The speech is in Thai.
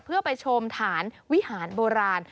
เพื่อไปชมฐานวิหารโบราณ